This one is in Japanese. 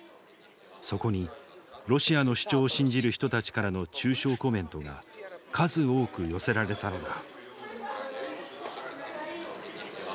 そこにロシアの主張を信じる人たちからの中傷コメントが数多く寄せられたのだ。